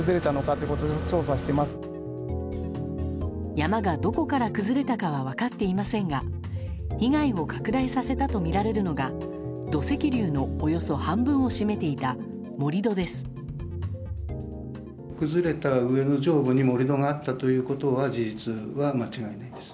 山がどこから崩れたかは分かっていませんが被害を拡大させたとみられるのが土石流のおよそ半分を占めていた盛り土です。